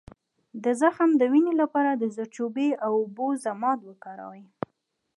د زخم د وینې لپاره د زردچوبې او اوبو ضماد وکاروئ